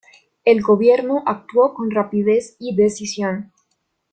El gobierno actuó con rapidez y decisión.